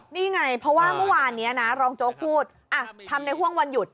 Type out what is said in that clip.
นี่ไงเพราะว่าเมื่อวานนี้นะรองโจ๊กพูดทำในห่วงวันหยุด